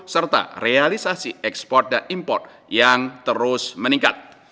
serta realisasi ekspor dan impor yang terus meningkat